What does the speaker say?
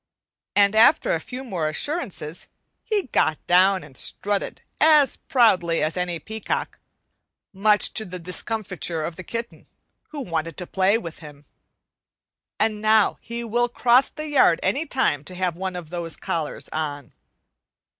and after a few more assurances he got down and strutted as proudly as any peacock; much to the discomfiture of the kitten, who wanted to play with him. And now he will cross the yard any time to have one of those collars on.